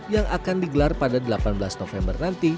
yang akan digelar pada delapan belas november nanti